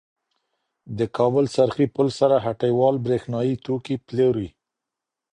د کابل څرخې پل سره هټیوال بریښنایې توکې پلوری.